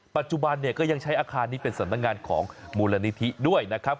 ปัจจุบันเนี่ยก็ยังใช้อาคารนี้เป็นสำนักงานของมูลนิธิด้วยนะครับ